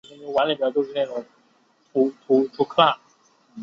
是日本漫画家所着的漫画作品。